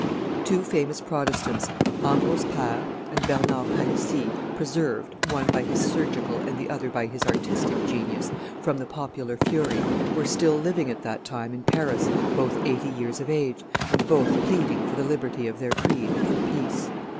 Two famous Protestants, Ambrose Pare and Bernard Palissy, preserved, one by his surgical and the other by his artistic genius, from the popular fury, were still living at that time in Paris, both eighty years of age, and both pleading for the liberty of their creed and for peace.